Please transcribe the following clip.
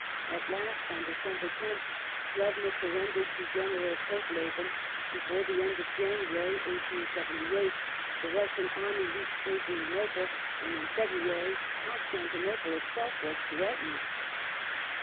At last, on December 10th, Plevna surrendered to Greneral Todleben ; before the end of January (1878) the Russian army reached Adrianople, and in February Constantinople itself was threatened.